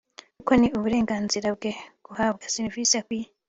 kuko ni uburenganzira bwe guhabwa serivisi akwiye”